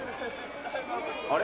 あれ？